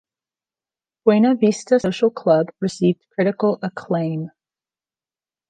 "Buena Vista Social Club" received critical acclaim.